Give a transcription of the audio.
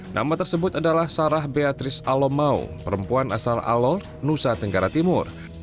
nama tersebut adalah sarah beatris alomau perempuan asal alo nusa tenggara timur